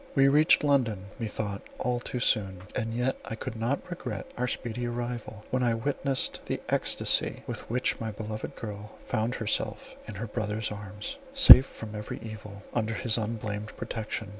We reached London, methought, all too soon; and yet I could not regret our speedy arrival, when I witnessed the extasy with which my beloved girl found herself in her brother's arms, safe from every evil, under his unblamed protection.